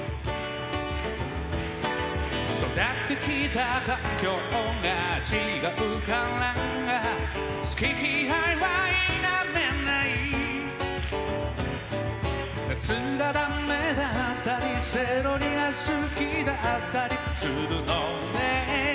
「育ってきた環境が違うから」「好き嫌いはイナメナイ」「夏がだめだったり」「セロリが好きだったりするのね」